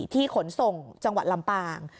ขนส่งจังหวัดลำปาง